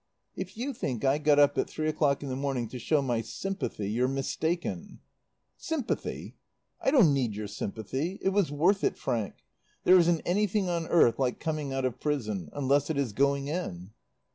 "If you think I got up at three o'clock in the morning to show my sympathy, you're mistaken." "Sympathy? I don't need your sympathy. It was worth it, Frank. There isn't anything on earth like coming out of prison. Unless it is going in."